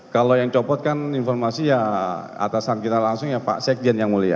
kalau yang copot kan informasi ya atasan kita langsung ya pak sekjen yang mulia